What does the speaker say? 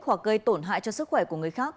hoặc gây tổn hại cho sức khỏe của người khác